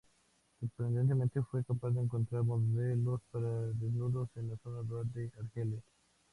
Sorprendentemente, fue capaz de encontrar modelos para desnudos en la zona rural de Argelia.